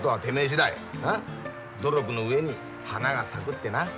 努力の上に花が咲くってな。